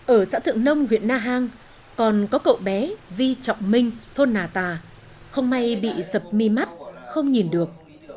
ở xã thượng nông huyện na hàng còn có cậu bé vi trọng minh thôn nà tà không may bị sập mi mắt không nhìn được